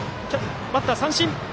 バッターは三振。